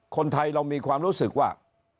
คนไทยเรามีความรู้สึกว่า